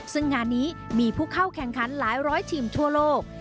ซึ่งงานนี้มีผู้เข้าแข่งขันหลายร้อยทีมทั่วโลก